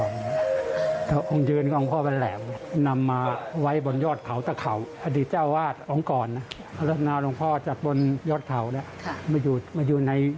มันก็มีสาเหตุที่จะต้องย้าย